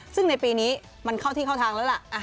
ซึ่งในปีนี้มันเข้าที่เข้าทางแล้วล่ะ